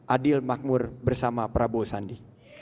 adil makmur bersama prabowo sandi